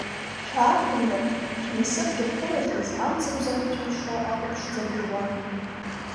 Шә-ааԥынрак, шә-насыԥк ирԥылахьаз, Амцабз акәҵәишо ахәы ԥшӡа былуан.